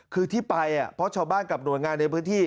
คือที่ไปเพราะชาวบ้านกับหน่วยงานในพื้นที่